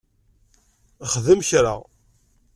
Xdem kra!